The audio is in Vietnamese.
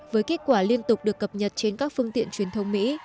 với kết quả liên tục được cập nhật trên các phương tiện truyền thông mỹ